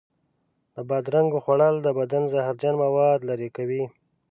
د بادرنګو خوړل د بدن زهرجن موادو لرې کوي.